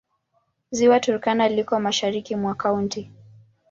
Ziwa Turkana liko mashariki mwa kaunti.